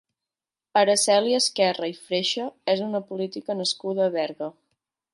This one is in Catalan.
Araceli Esquerra i Freixa és una política nascuda a Berga.